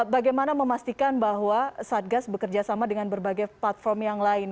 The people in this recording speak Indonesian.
bagaimana memastikan bahwa satgas bekerjasama dengan berbagai platform yang lain